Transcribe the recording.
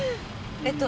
えっと。